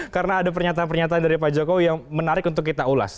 karena ada pernyataan pernyataan dari pak jokowi yang menarik untuk kita ulas